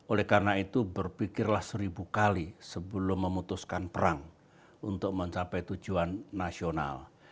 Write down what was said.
oleh karena itu berpikirlah seribu kali sebelum memutuskan perang untuk mencapai tujuan nasional